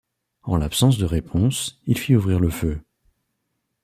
En l'absence de réponse il fit ouvrir le feu.